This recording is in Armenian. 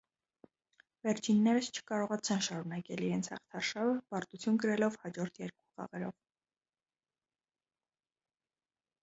Վերջիններս չկարողացան շարունակել իրենց հաղթարշավը՝ պարտություն կրելով հաջորդ երկու խաղերով։